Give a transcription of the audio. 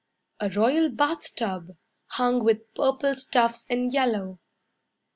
A royal bath tub, Hung with purple stuffs and yellow.